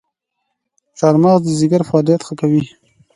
چارمغز د ځیګر فعالیت ښه کوي.